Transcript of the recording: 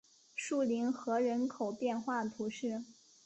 树林河人口变化图示